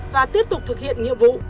và tiếp tục thực hiện nhiệm vụ